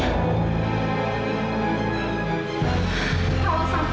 kalau sampai sekarang masih cari pacar lama